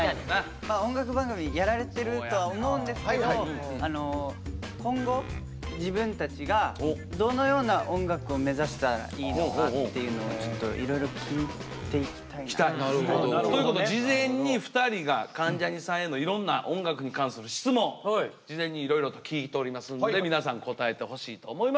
音楽番組やられてるとは思うんですけど今後自分たちがどのような音楽を目指したらいいのかっていうのをちょっといろいろ聞いていきたいな。ということで事前に２人が関ジャニさんへのいろんな音楽に関する質問事前にいろいろと聞いておりますんで皆さん答えてほしいと思います。